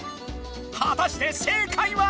はたして正解は！